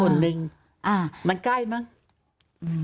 หนึ่งอ่ามันใกล้มั้งอืม